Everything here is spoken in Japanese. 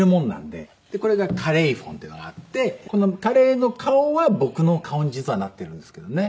でこれが『カレイＰｈｏｎｅ』っていうのがあってこのカレイの顔は僕の顔に実はなってるんですけどね。